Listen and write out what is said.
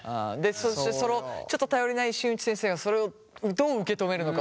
そしてちょっと頼りない新内先生がそれをどう受け止めるのかも気になりますね。